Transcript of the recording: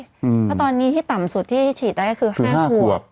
เพราะตอนนี้ที่ต่ำสุดที่ฉีดได้ก็คือ๕ขวบ